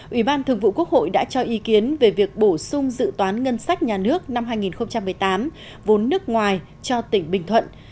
ủy ban thường vụ quốc hội đã cho ý kiến về việc bổ sung dự toán ngân sách nhà nước năm hai nghìn một mươi tám vốn nước ngoài cho tỉnh bình thuận